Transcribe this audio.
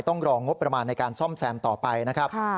ต้องรองบประมาณในการซ่อมแซมต่อไปนะครับ